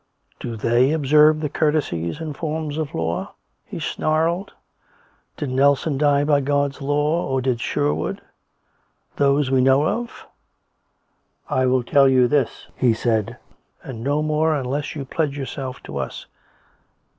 " Do they observe the courtesies and forms of law ?" he snarled. " Did Nelson die by God's law, or did Sher wood — those we know of? I will tell you this," he said, " and no more unless you pledge yourself to us